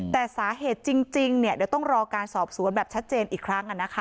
แต่สาเหตุจริงเดี๋ยวต้องรอการสอบสวนแบบชัดเจนอีกครั้ง